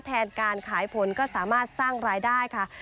แทนการขายผลก็สามารถสร้างรายได้ค่ะ